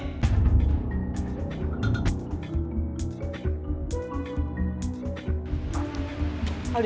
bisa berdua bisa berdua